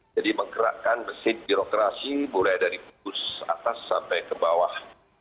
jadi menggerakkan mesin birokrasi mulai dari bus atas sampai ke bawah